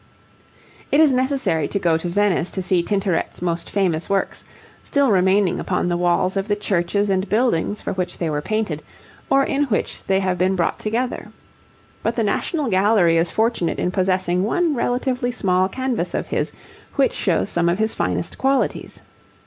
It is necessary to go to Venice to see Tintoret's most famous works, still remaining upon the walls of the churches and buildings for which they were painted, or in which they have been brought together. But the National Gallery is fortunate in possessing one relatively small canvas of his which shows some of his finest qualities.